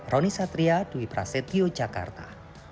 roni satria dwi prasetyo jakarta